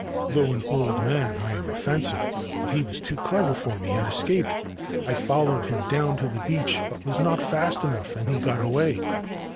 Fhough an old man, I am a fencer ; but he was too :lever for me and escaped. I followed him down to the ueach, but was not fast enough, and he got away.